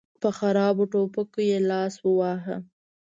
په خرابو ټوپکو یې لاس وواهه.